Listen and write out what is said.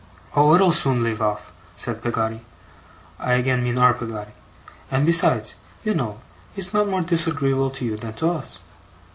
'Oh, it'll soon leave off,' said Peggotty I again mean our Peggotty 'and besides, you know, it's not more disagreeable to you than to us.